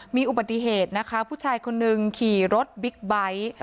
มีอุบัติเหตุนะคะผู้ชายคนนึงขี่รถบิ๊กไบท์